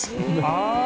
ああ。